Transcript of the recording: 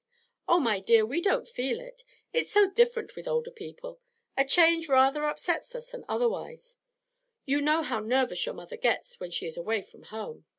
'Oh, my dear, we don't feel it. It's so different with older people; a change rather upsets us than otherwise. You know how nervous your mother gets when she is away from home.'